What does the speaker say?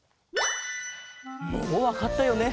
もうわかったよね？